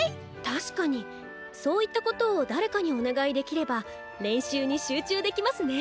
確かにそういったことを誰かにお願いできれば練習に集中できますね。